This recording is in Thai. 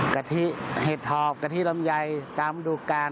กะทิเห็ดถอบกะทิลำไยตามดูกาล